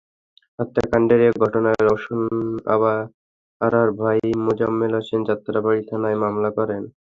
হত্যাকাণ্ডের ঘটনায় রওশন আরার ভাই মোজাম্মেল হোসেন যাত্রাবাড়ী থানায় মামলা করেন।